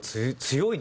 強い。